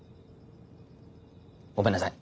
ごめんなさい。